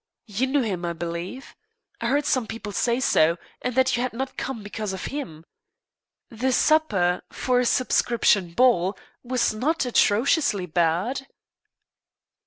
You knew him, I believe? I heard some people say so, and that you had not come because of him. The supper, for a subscription ball, was not atrociously bad."